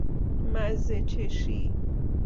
مزه چشی